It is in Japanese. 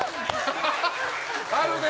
あるね！